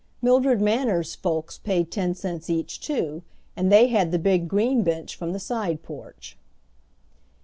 Mildred Manners' folks paid ten cents each too, and they had the big green bench from the side porch.